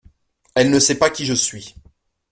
Elle ne sait pas qui je suis.